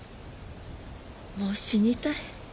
もう死にたい。